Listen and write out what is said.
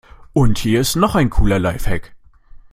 Und hier ist noch ein cooler Lifehack.